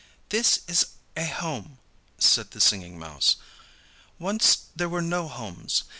"This is a Home," said the Singing Mouse. "Once there were no homes.